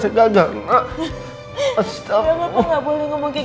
papa udah janji sama aku papa untuk selalu kuatkan